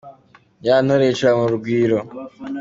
Ya Ntore yicara mu Rugwiro.